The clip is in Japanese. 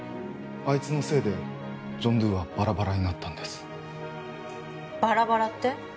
あいつのせいでジョン・ドゥはバラバラになったんですバラバラって？